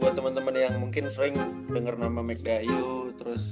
buat temen temen yang mungkin sering denger nama mcdayo terus